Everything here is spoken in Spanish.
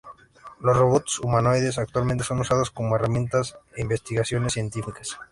Los robots humanoides actualmente son usados como herramienta en investigaciones científicas.